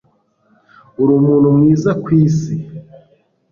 Uri umuntu mwiza kw isi